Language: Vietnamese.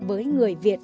với người việt